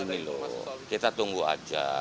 ini loh kita tunggu aja